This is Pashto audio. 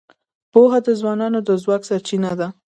پوهه د ځوانانو د ځواک سرچینه ده.